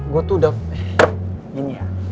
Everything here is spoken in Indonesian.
gue tuh udah ini ya